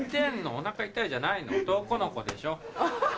「お腹痛い」じゃないの男の子でしょ？